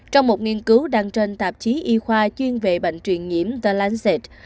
trong một nghiên cứu đăng trên tạp chí y khoa chuyên về bệnh truyền nhiễm the lancet